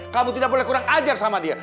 kamu tidak boleh kurang ajar sama dia